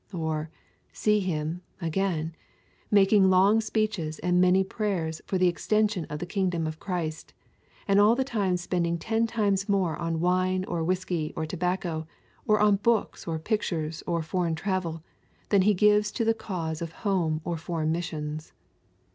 Or, see him, again, making long speeches and many prayers for the extension of the kingdom of Christ, and all the time spending ten times more on wine or whisky or tobacco, or on books or pictures or foreign travel, than he gives to the cause of home or foreign missions.